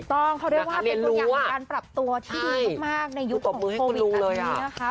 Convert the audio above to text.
ต้องเขาเรียกว่าเป็นตัวอย่างการปรับตัวที่ดีมากในยุคของโควิดแบบนี้นะคะ